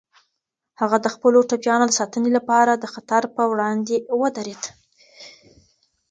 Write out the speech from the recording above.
هغه د خپلو ټپيانو د ساتنې لپاره د خطر په وړاندې ودرید.